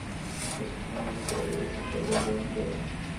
د اصفهان محاصره ډېره سخته او دردونکې وه.